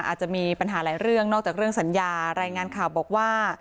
อาจจะมีปัญหาหลายเรื่องนอกจากเรื่องสัญญารายงานข่าวบอกว่า